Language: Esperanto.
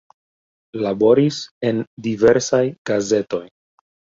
Laboris en diversaj gazetoj.